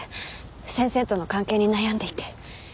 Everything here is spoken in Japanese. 先生との関係に悩んでいて。